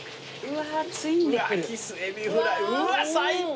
うわ最高！